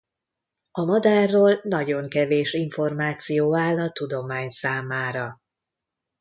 A madárról nagyon kevés információ áll a tudomány számára.